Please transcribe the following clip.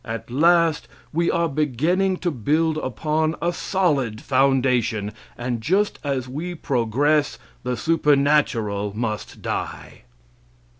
At last we are beginning to build upon a solid foundation, and just as we progress the supernatural must die.